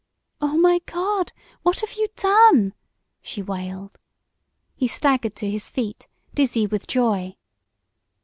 "Oh, my God! What have you done?" she wailed. He staggered to his feet, dizzy with joy.